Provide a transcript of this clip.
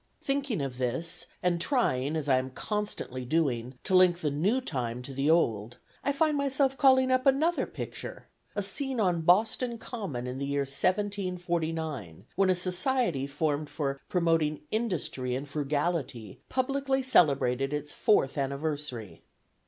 Thinking of this, and trying, as I am constantly doing, to link the new time to the old, I find myself calling up another picture, a scene on Boston Common in the year 1749, when a society, formed for promoting industry and frugality, publicly celebrated its fourth anniversary.